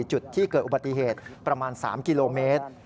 จุดที่เกิดอุบัติเหตุประมาณ๓กิโลเมตร